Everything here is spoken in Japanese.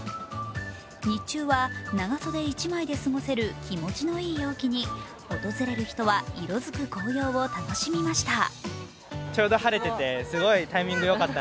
日中は長袖１枚で過ごせる気持ちのいい陽気に訪れる人は色づく紅葉を楽しみました。